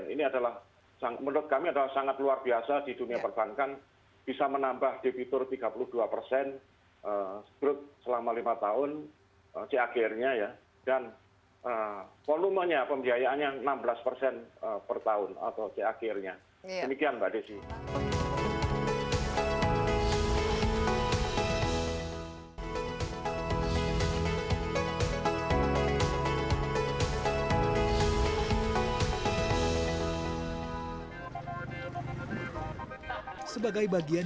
ini adalah menurut kami adalah sangat luar biasa di dunia perbankan